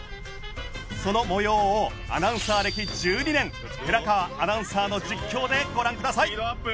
その模様をアナウンサー歴１２年寺川アナウンサーの実況でご覧ください。